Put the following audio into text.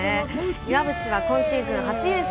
岩渕は今シーズン初優勝。